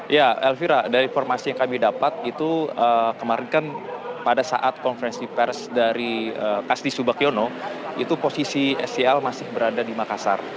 ya elvira dari informasi yang kami dapat itu kemarin kan pada saat konferensi pers dari kasti subakyono itu posisi sel masih berada di makassar